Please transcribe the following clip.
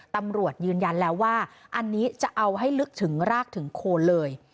ตำรวจยืนยันแล้วว่าอันนี้จะเอาให้ลึกถึงรากถึงโคนเลย